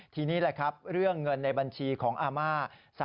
ทีนี้แหละครับเรื่องเงินในบัญชีของอาม่า